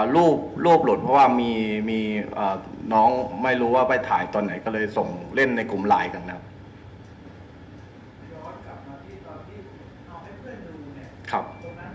รูปรูปหลุดเพราะว่ามีน้องไม่รู้ว่าไปถ่ายตอนไหนก็เลยส่งเล่นในกลุ่มไลน์กันนะครับ